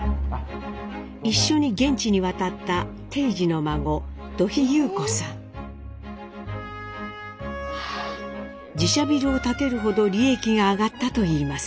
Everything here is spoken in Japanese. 一緒に現地に渡った自社ビルを建てるほど利益が上がったといいます。